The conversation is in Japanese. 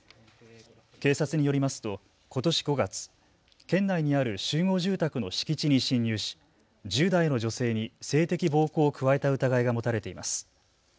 警察によりますと、ことし５月、県内にある集合住宅の敷地に侵入し１０代の女性に性的暴行を加えた疑いが持たれています。